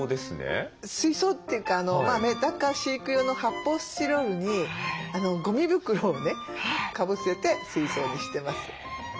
水槽というかメダカ飼育用の発泡スチロールにゴミ袋をねかぶせて水槽にしてます。